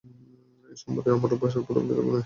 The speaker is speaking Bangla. এই সম্পত্তি আমার এর ওপর অন্য কারো অধিকার নেই।